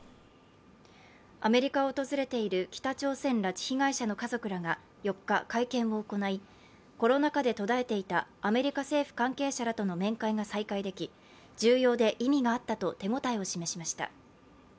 アメリカを訪れている北朝鮮拉致被害者の家族らが４日、会見を行い、コロナ禍で途絶えていたアメリカ政府関係者らとの面会が再開でき重要で意味があったと手応えを示しました。